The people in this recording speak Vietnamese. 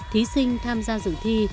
thí sinh tham gia dự thi